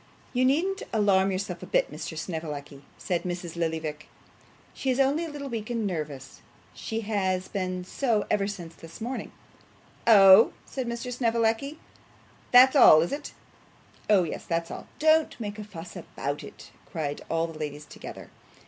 'You needn't alarm yourself a bit, Mr. Snevellicci,' said Mrs. Lillyvick. 'She is only a little weak and nervous; she has been so ever since the morning.' 'Oh,' said Mr. Snevellicci, 'that's all, is it?' 'Oh yes, that's all. Don't make a fuss about it,' cried all the ladies together.